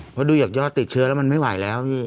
เพราะดูจากยอดติดเชื้อแล้วมันไม่ไหวแล้วพี่